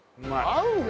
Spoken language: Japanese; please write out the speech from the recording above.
合うね！